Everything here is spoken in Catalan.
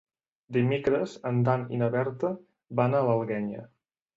Dimecres en Dan i na Berta van a l'Alguenya.